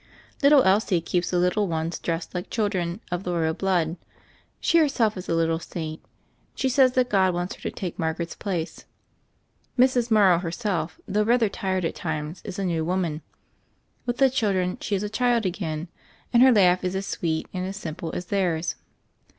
Little Elsie keeps the lit tle ones dressed like children of the blood royal. She herself is a little saint: she says that God wants her to take Margaret's place. Mrs. Morrow herself, though rather tired at times, is a new woman. With the children, she is a child again; and her laugh is as sweet and as simple as theirs.